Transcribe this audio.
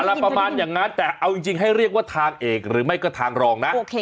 ละประมาณอย่างนั้นแต่เอาจริงให้เรียกว่าทางเอกหรือไม่ก็ทางรองนะ